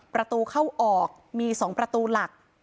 ประตูเข้าออกมี๒ประตูหลัก